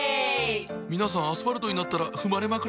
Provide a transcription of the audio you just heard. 皆さんアスファルトになったら踏まれまくりですねぇ。